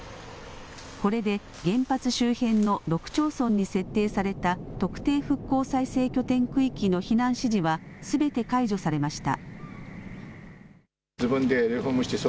これで原発周辺の６町村に設定された特定復興再生拠点区域の避難指示はすべて解除されました。